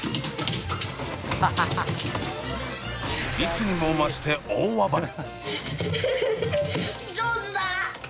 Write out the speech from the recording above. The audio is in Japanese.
いつにも増して大暴れ。